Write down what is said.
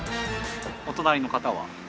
お隣の方は？